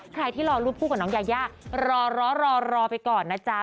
ใครที่รอรูปคู่กับน้องยายารอรอไปก่อนนะจ๊ะ